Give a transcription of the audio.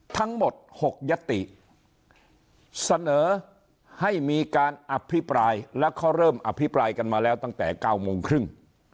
ทั้งหมด๖ยติเสนอให้มีการอภิปรายและเขาเริ่มอภิปรายกันมาแล้วตั้งแต่๙โมงครึ่ง